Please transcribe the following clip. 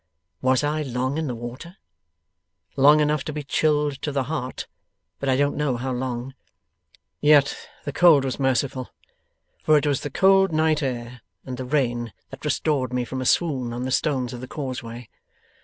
'Was I long in the water? Long enough to be chilled to the heart, but I don't know how long. Yet the cold was merciful, for it was the cold night air and the rain that restored me from a swoon on the stones of the causeway.